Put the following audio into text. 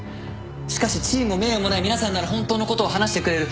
しかし地位も名誉もない皆さんなら本当のことを話してくれる。